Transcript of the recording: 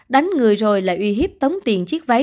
đánh người rồi lại uy hiếp tống tiền chiếc váy